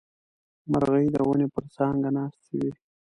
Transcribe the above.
مرغۍ د ونې پر څانګه ناستې وې.